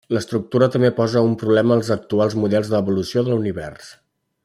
L'estructura també posa un problema als actuals models d'evolució de l'univers.